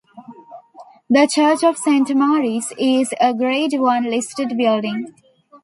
The church of Saint Mary's is a grade one listed building.